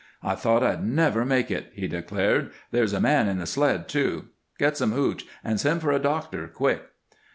"I thought I'd never make it," he declared. "There's a man in the sled, too. Get some 'hootch' and send for a doctor, quick."